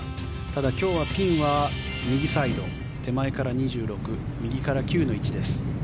ただ今日はピンは右サイド手前から２６右から９の位置です。